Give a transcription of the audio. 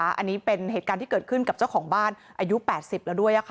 อันนี้เป็นเหตุการณ์ที่เกิดขึ้นกับเจ้าของบ้านอายุ๘๐แล้วด้วย